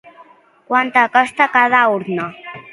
Quant costa cada urna?